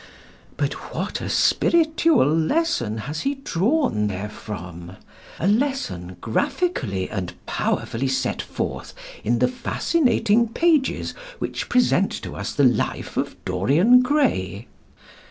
But what a spiritual lesson has he drawn therefrom a lesson graphically and powerfully set forth in the fascinating pages which present to us the life of Dorian Gray.